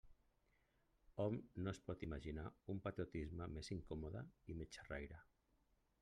Hom no es pot imaginar un patriotisme més incòmode i més xerraire.